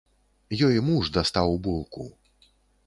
Ёй муж дастаў булку.